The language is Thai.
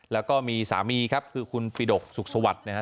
แล้วก็มีสามีครับคือคุณปิดกสุขสวัสดิ์นะครับ